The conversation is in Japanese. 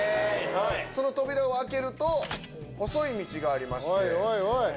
その扉を開けると細い道がありまして。